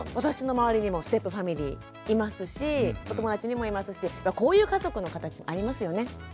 私の周りにもステップファミリーいますしお友達にもいますしこういう家族の形ありますよね。